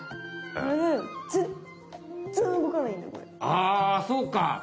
ああそうか！